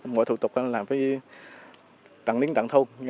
mỗi thủ tục là phải tặng miếng tặng thôn